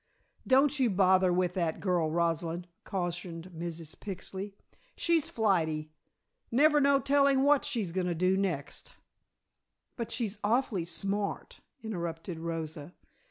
"Don't you bother with that girl, Rosalind," cautioned Mrs. Pixley. "She's flighty. Never no telling what she's going to do next " "But she's awfully smart," interrupted Rosa.